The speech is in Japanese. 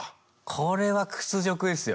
これは屈辱ですよ。